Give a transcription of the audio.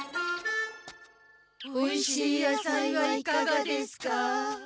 おいしいやさいはいかがですか。